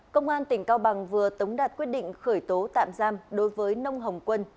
công an tỉnh cao bằng vừa tống đạt quyết định khởi tố tạm giam đối với nông hồng quân